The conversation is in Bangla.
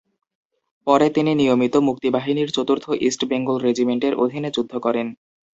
পরে তিনি নিয়মিত মুক্তিবাহিনীর চতুর্থ ইস্ট বেঙ্গল রেজিমেন্টের অধীনে যুদ্ধ করেন।